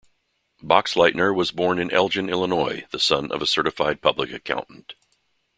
Boxleitner was born in Elgin, Illinois, the son of a certified public accountant.